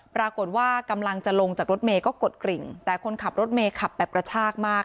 ปรากฏว่ากำลังจะลงจากรถเมย์ก็กดกริ่งแต่คนขับรถเมย์ขับแบบกระชากมาก